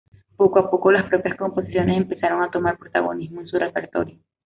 Poco a poco, las propias composiciones empezaron a tomar protagonismo en su repertorio.